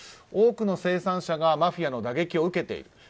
多くの生産者がマフィアの打撃を受けている。